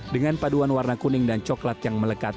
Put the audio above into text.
dengan paduan warna kuning dan coklat yang melekat